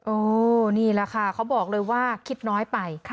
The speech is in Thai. นี่แหละค่ะเขาบอกเลยว่าคิดน้อยไป